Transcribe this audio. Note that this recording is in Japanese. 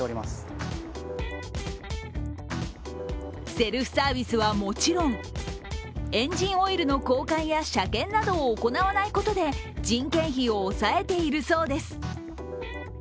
セルフサービスはもちろん、エンジンオイルの交換や車検などを行わないことで人件費を抑えているそうです。